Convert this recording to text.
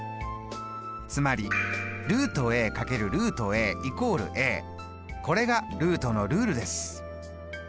つまりこれがルートのルールです。